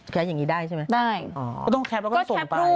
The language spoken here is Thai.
แป๊ปอย่างนี้ได้ใช่ไหมได้อ๋อก็ต้องแคปแล้วก็ส่งไป